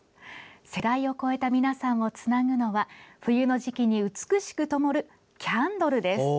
世代を超えた皆さんをつなぐのは冬の時期に美しくともるキャンドルです。